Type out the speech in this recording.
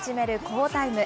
好タイム。